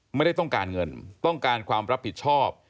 ไม่ได้ต้องการเงินต้องการความรับผิดชอบ